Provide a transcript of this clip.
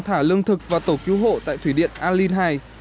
thả lương thực vào tổ cứu hộ tại thủy điện a linh hai